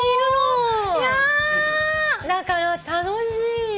だから楽しい。